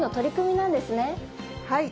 はい。